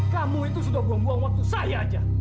kamu itu sudah buang buang waktu saya aja